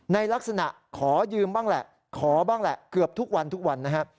ในลักษณะขอยืมบ้างแหละขอบ้างแหละเกือบทุกวันทุกวันนะฮะ